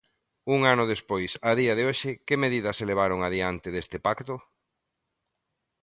Un ano despois, a día de hoxe, ¿que medidas se levaron adiante deste pacto.